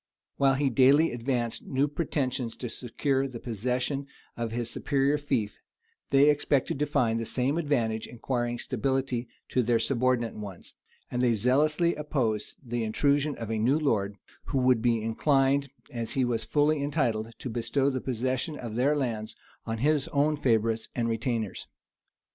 While he daily advanced new pretensions to secure the possession of his superior fief, they expected to find the same advantage in acquiring stability to their subordinate ones; and they zealously opposed the intrusion of a new lord, who would be inclined, as he was fully entitled, to bestow the possession of their lands on his own favorites and retainers.